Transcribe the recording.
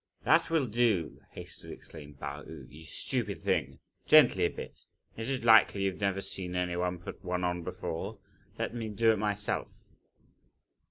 "That will do," hastily exclaimed Pao yü. "You stupid thing! gently a bit; is it likely you've never seen any one put one on before? let me do it myself."